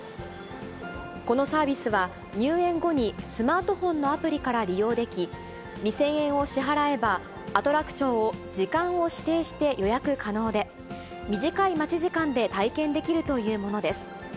このサービスは、入園後にスマートフォンのアプリから利用でき、２０００円を支払えば、アトラクションを時間を指定して予約可能で、短い待ち時間で体験できるというものです。